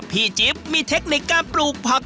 พี่จิปมีเทคนิคการปลูกผัก